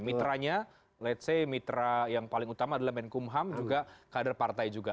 mitranya let's say mitra yang paling utama adalah menkumham juga kader partai juga